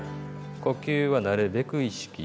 呼吸はなるべく意識。